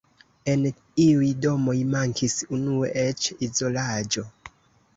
En iuj domoj mankis unue eĉ izolaĝo.